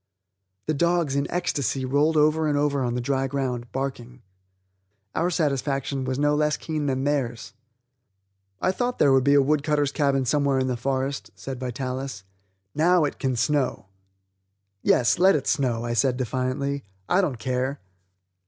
The dogs, in ecstasy, rolled over and over on the dry ground, barking. Our satisfaction was no less keen than theirs. "I thought there would be a wood cutter's cabin somewhere in the forest," said Vitalis. "Now, it can snow!" "Yes, let it snow," I said defiantly; "I don't care!"